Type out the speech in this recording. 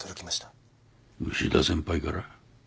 牛田先輩から？